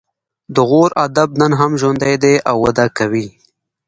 د غور ادب نن هم ژوندی دی او وده کوي